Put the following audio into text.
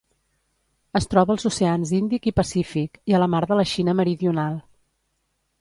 Es troba als oceans Índic i Pacífic, i a la Mar de la Xina Meridional.